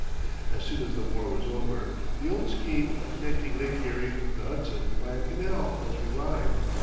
As soon as the war was over, the old scheme of connecting Lake Erie with the Hudson by a canal was revived.